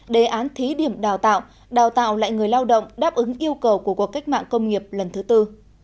đề án thí điểm đào tạo đào tạo lại người lao động đáp ứng yêu cầu của cuộc cách mạng công nghiệp lần thứ tư